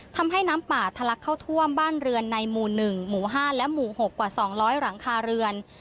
ทำให้น้ำป่าทะลักเข้าท่วมบ้านเรือนในหมู่๑หมู่๕และหมู่๖กว่า๒๐๐หลังคาเรือน